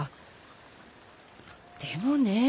でもねえ。